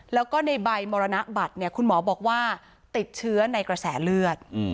แล้วก็ในใบมรณบัตรเนี่ยคุณหมอบอกว่าติดเชื้อในกระแสเลือด